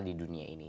hal hal di dunia ini